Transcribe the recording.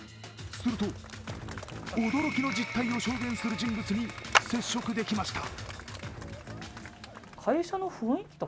すると、驚きの実態を証言する人物に接触できました。